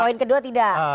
poin kedua tidak